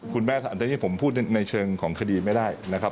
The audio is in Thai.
คุณแม่อันนี้ผมพูดในเชิงของคดีไม่ได้นะครับ